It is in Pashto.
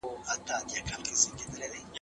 پخوانۍ ټولې نظريې باطلې اعلان سوې.